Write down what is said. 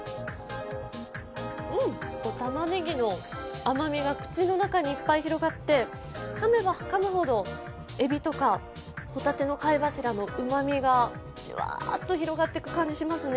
たまねぎの甘みが口の中にいっぱい広がって噛めば噛むほどえびとかホタテの貝柱のうまみがジュワーって広がっていく感じがしますね。